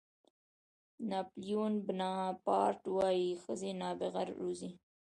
ناپلیون بناپارټ وایي ښځې نابغه روزي.